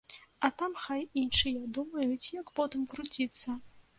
А там хай іншыя думаюць, як потым круціцца.